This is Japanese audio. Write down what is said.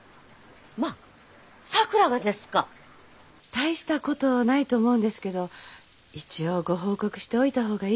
大したことないと思うんですけど一応ご報告しておいた方がいいと思いまして。